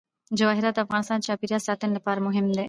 جواهرات د افغانستان د چاپیریال ساتنې لپاره مهم دي.